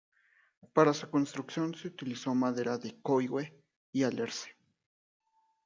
Para su construcción se utilizó madera de coigüe y alerce.